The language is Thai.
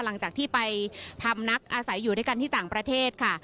หลังจากที่ไปพำนักอาศัยอยู่ด้วยกันที่ต่างประเทศค่ะ